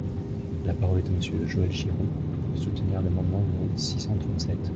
La parole est à Monsieur Joël Giraud, pour soutenir l’amendement numéro six cent trente-sept.